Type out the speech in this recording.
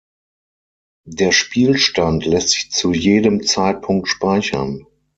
Der Spielstand lässt sich zu jedem Zeitpunkt speichern.